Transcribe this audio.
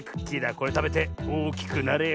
これたべておおきくなれよ。